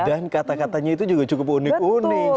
dan kata katanya itu juga cukup unik unik